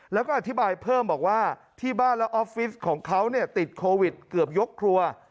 แล้วก็อธิบายเพิ่มบอกว่าที่บ้านและออฟฟิศของเขาติดโควิดเกือบยกครัว